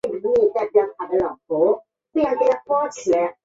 阿穆尔航空曾是一家总部位于伯力的俄罗斯包机航空公司。